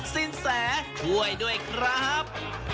สินแสช่วยด้วยครับ